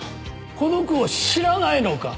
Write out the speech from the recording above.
この句を知らないのか？